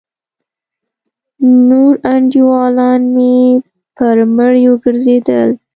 نور انډيولان مې پر مړيو گرځېدل.